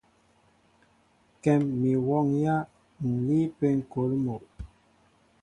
Kɛ́m mi wɔ́ŋyǎ, ǹ líí ápé ŋ̀kôl mol.